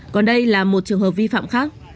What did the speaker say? còn đây là một trường hợp vi phạm khác